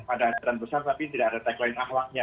ada hajatan besar tapi tidak ada tagline ahlaknya